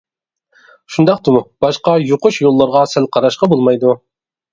شۇنداقتىمۇ، باشقا يۇقۇش يوللىرىغا سەل قاراشقا بولمايدۇ.